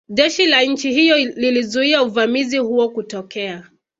Jeshi la nchi hiyo lilizuia uvamizi huo kutokea